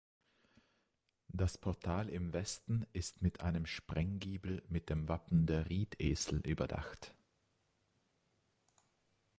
Das Portal im Westen ist mit einem Sprenggiebel mit dem Wappen der Riedesel überdacht.